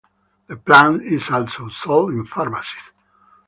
The plant is also sold in pharmacies.